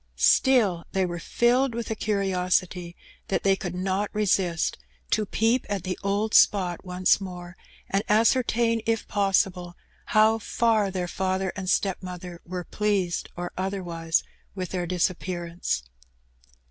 Still, they were filled with a curiosity that they could not resist to peep at the old spot once more, and ascertain, if possible, how far their father and stepmother were pleased or otherwise with their disappearance.